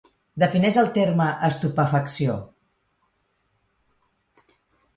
Defineix el terme estupefacció.